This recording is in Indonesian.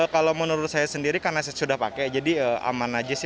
kalau menurut saya sendiri karena sudah pakai jadi aman aja sih